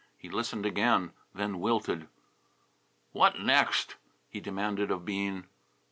He listened again, then wilted. "What next?" he demanded of Bean.